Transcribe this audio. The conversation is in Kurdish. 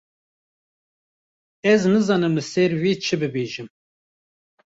Ez nizanim li ser vê çi bibêjim.